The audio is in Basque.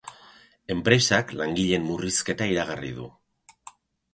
Enpresak langileen murrizketa iragarri du.